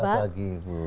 selamat pagi ibu